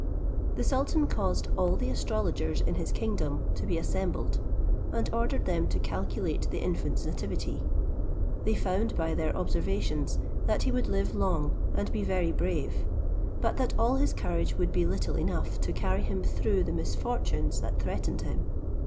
The sultan caused all the astrologers in his kingdom to be assembled, and ordered them to calculate the infant's nativity. They found by their observations that he would live long, and be very brave; but that all his courage would be little enough to carry him through the misfortunes that threatened him.